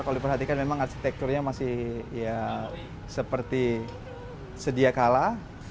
kalau diperhatikan memang arsitekturnya masih ya seperti sedia kalah